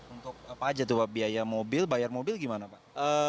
untuk apa aja tuh pak biaya mobil bayar mobil gimana pak